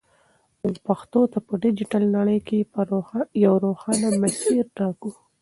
موږ پښتو ته په ډیجیټل نړۍ کې یو روښانه مسیر ټاکو.